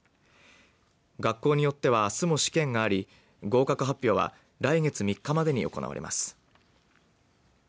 学校によってはあすも試験があり合格発表は来月３日までに行われます。